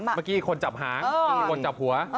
เมื่อกี้คนจับหางมีคนจับหัว